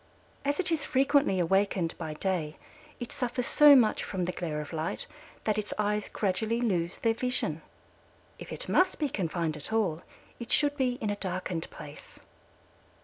As it is frequently awakened by day it suffers so much from the glare of light that its eyes gradually lose their vision. If it must be confined at all it should be in a darkened place.